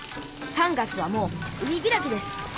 ３月はもう海開きです。